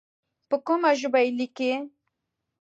په کومه ژبه یې لیکې.